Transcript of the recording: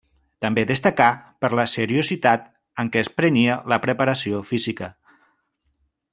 També destacà per la seriositat amb què es prenia la preparació física.